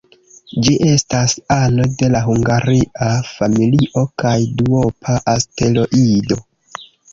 Ĝi estas ano de la Hungaria familio kaj duopa asteroido.